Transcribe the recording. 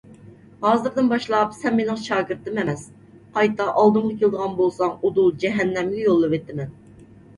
ھازىردىن باشلاپ سەن مېنىڭ شاگىرتىم ئەمەس! قايتا ئالدىمغا كېلىدىغان بولساڭ ئۇدۇل جەھەننەمگە يوللىۋېتىمەن!